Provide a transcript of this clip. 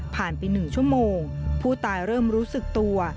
ไป๑ชั่วโมงผู้ตายเริ่มรู้สึกตัว